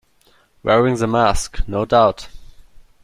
Wearing the mask, no doubt.